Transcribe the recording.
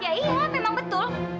ya iya memang betul